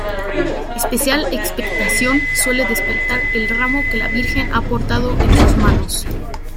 Especial expectación suele despertar el ramo que la Virgen ha portado en sus manos.